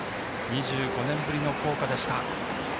２５年ぶりの校歌でした。